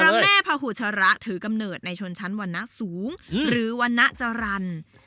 พระแม่พุชระถือกำเนิดในชนชั้นวรรณะสูงหรือวรรณจรรย์